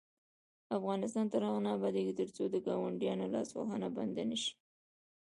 افغانستان تر هغو نه ابادیږي، ترڅو د ګاونډیانو لاسوهنه بنده نشي.